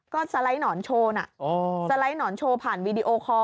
ก็สไลด์หนอนโชว์นะสไลด์หนอนโชว์ผ่านวีดีโอคอร์